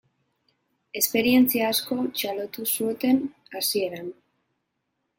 Esperientzia asko txalotu zuten hasieran.